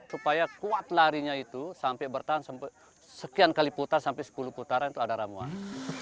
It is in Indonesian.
supaya kuat larinya itu sampai bertahan sekian kali putar sampai sepuluh putaran itu ada ramuan